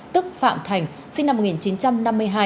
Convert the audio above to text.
tức phạm thành sinh năm một nghìn chín trăm năm mươi hai